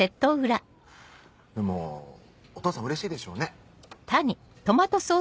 でもお父さんうれしいでしょうね。